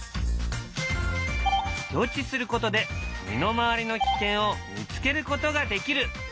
予知することで身の回りの危険を見つけることができる。